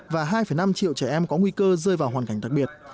và hai năm triệu trẻ em có nguy cơ rơi vào hoàn cảnh đặc biệt